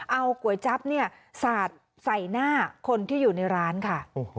เอาก๋วยจั๊บเนี่ยสาดใส่หน้าคนที่อยู่ในร้านค่ะ